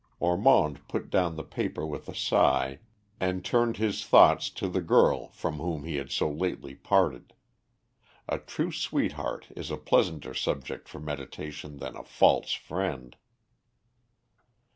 Ormond put down the paper with a sigh, and turned his thoughts to the girl from whom he had so lately parted. A true sweetheart is a pleasanter subject for meditation than a false friend.